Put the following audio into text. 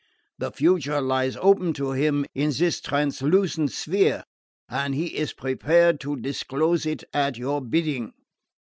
The future lies open to him in this translucent sphere and he is prepared to disclose it at your bidding."